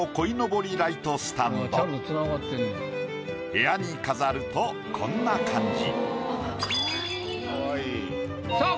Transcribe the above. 部屋に飾るとこんな感じ。